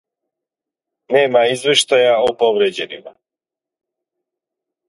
Нема извјештаја о повријеđенима.